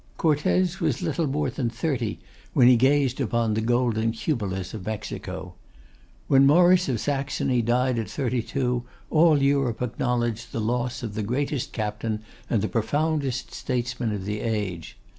Cortes was little more than thirty when he gazed upon the golden cupolas of Mexico. When Maurice of Saxony died at thirty two, all Europe acknowledged the loss of the greatest captain and the profoundest statesman of the age.